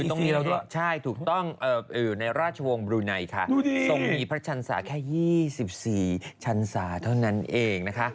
เอลีซีน่ะเนี่ยใช่ถูกต้องอยู่ในราชวงศ์บรูไนค่ะส่งมีพระชันศาแค่๒๔ชันศาเท่านั้นเองนะคะ